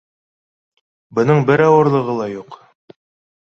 Бының бер ауырлығы ла юҡ